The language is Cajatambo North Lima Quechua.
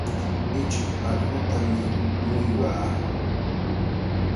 Ichik allqutami uywaa.